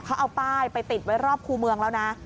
เขาเอาป้ายไปติดไว้รอบคู่เมืองแล้วนะ